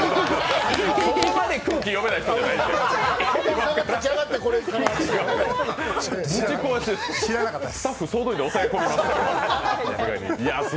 そこまで空気読めない人じゃないんですよ。